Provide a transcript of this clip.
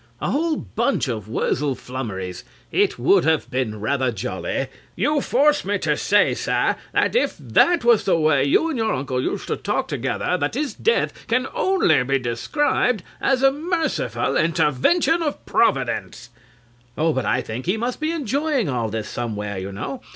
A whole bunch of Wurzel Flummerys; it would have been rather jolly. CRAWSHAW. You force me to say, sir, that if that was the way you and your uncle used to talk together at his death can only be described as a merciful intervention of Providence. CLIFTON. Oh, but I think he must be enjoying all this somewhere, you know.